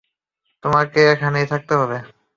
তোমাকে এখানেই থাকতে হবে।